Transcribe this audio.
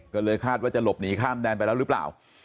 ก็เลยคาดว่าจะหลบหนีข้ามแดนไปแล้วหรือเปล่า